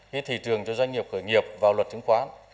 cái thị trường cho doanh nghiệp khởi nghiệp vào luật chứng khoán